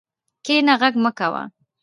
کښېنه، غږ مه کوه.